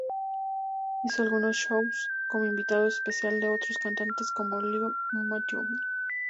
Hizo algunos shows como invitado especial de otros cantantes, como Leo Mattioli.